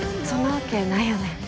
そんなわけないよね？